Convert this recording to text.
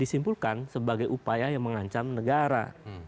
disimpulkan sebagai upaya yang mengancam negara